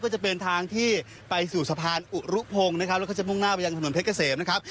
ก็จะเป็นทางที่ไปสู่สะพานอุรุพงศ์นะครับแล้วก็จะมุ่งหน้าไปยังถนนเพชรเกษมนะครับ